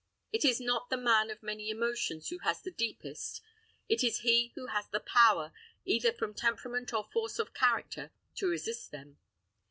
It is not the man of many emotions who has the deepest: it is he who has the power, either from temperament or force of character, to resist them.